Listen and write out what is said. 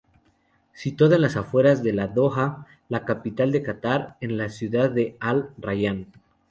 Situado en las afueras de Doha, la capital de Catar, en la ciudad Al-Rayyan.